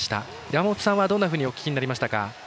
山本さんは、どんなふうにお聞きになりましたか。